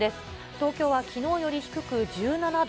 東京はきのうより低く１７度。